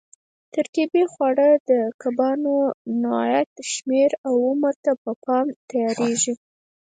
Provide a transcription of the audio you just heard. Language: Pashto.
ترکیبي خواړه د کبانو نوعیت، شمېر او عمر ته په پام تیارېږي.